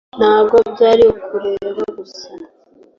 ntabwo byari ukureba gusa,